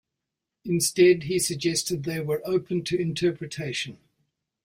Instead, he suggested that they were open to interpretation.